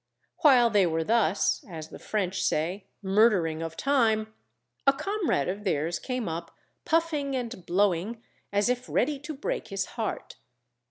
While they were thus (as the French say) murdering of time, a comrade of theirs came up puffing and blowing as if ready to break his heart.